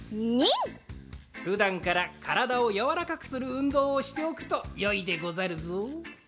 ニン！ふだんからからだをやわらかくするうんどうをしておくとよいでござるぞ。